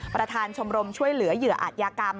ประธานชมรมช่วยเหลือเหยื่ออาจยากรรม